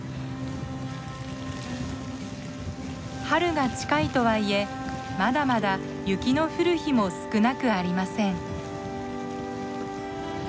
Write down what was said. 春が近いとはいえまだまだ雪の降る日も少なくありません。